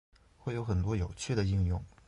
会有很多有趣的应用